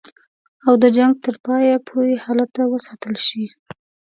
او د جنګ تر پایه پوري هلته وساتل شي.